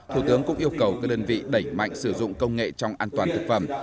thủ tướng cũng yêu cầu các đơn vị đẩy mạnh sử dụng công nghệ trong an toàn thực phẩm